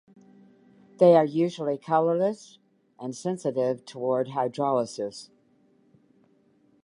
They are usually colorless and sensitive toward hydrolysis.